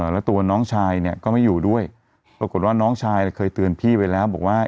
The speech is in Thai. แล้วตัวน้องชายเนี่ยก็ไม่อยู่ด้วยปรากฏว่าน้องชายเคยเตือนพี่ไปแล้วบอกว่า